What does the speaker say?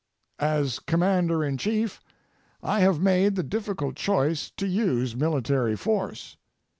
As Commander in Chief, I have made the difficult choice to use military force.